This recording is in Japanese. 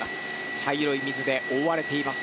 茶色い水で覆われています。